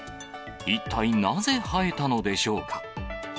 一体なぜ生えたのでしょうか。